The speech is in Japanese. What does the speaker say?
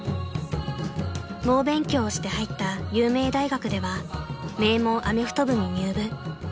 ［猛勉強をして入った有名大学では名門アメフト部に入部］